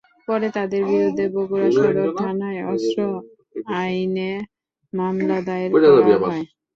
পরে তাঁদের বিরুদ্ধে বগুড়া সদর থানায় অস্ত্র আইনে মামলা দায়ের করা হয়।